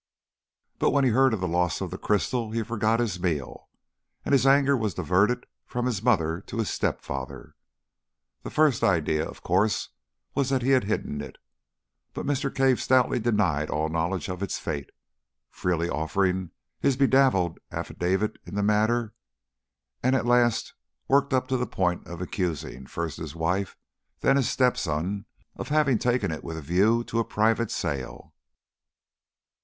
But, when he heard of the loss of the crystal, he forgot his meal, and his anger was diverted from his mother to his step father. Their first idea, of course, was that he had hidden it. But Mr. Cave stoutly denied all knowledge of its fate freely offering his bedabbled affidavit in the matter and at last was worked up to the point of accusing, first, his wife and then his step son of having taken it with a view to a private sale.